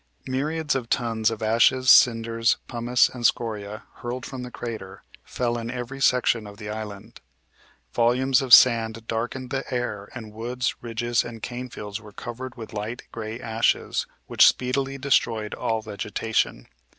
Myriads of tons of ashes, cinders, pumice and scoriae, hurled from the crater, fell in every section of the island. Volumes of sand darkened the air, and woods, ridges and cane fields were covered with light gray ashes, which speedily destroyed all vegetation.